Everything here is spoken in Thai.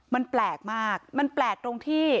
มันแปลกมากมันแปลกตรงที่